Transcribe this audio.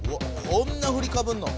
こんなふりかぶんの？